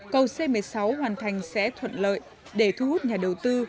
cầu c một mươi sáu hoàn thành sẽ thuận lợi để thu hút nhà đầu tư